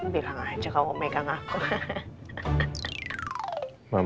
bilang aja kamu megang aku